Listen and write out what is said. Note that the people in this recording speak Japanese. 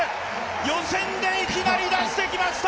予選でいきなり出してきました！